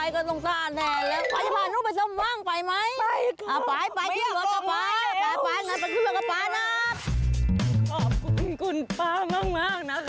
ขอบขุมทุกคนฟ้ามากนะคะ